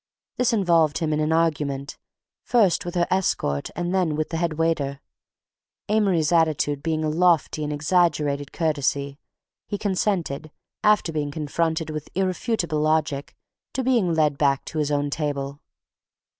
this involved him in an argument, first with her escort and then with the headwaiter—Amory's attitude being a lofty and exaggerated courtesy... he consented, after being confronted with irrefutable logic, to being led back to his own table.